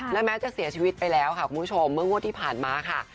และแม้จะเสียชีวิตไปแล้วค่ะคุณผู้ชมเมื่องวดที่ผ่านมาค่ะ